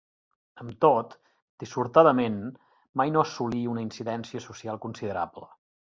Amb tot, dissortadament, mai no assolí una incidència social considerable.